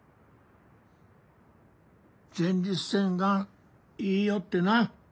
「前立腺がん」言いよってな